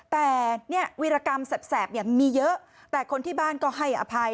แต่วีรกรรมแสบมีเยอะแต่คนที่บ้านก็ให้อภัย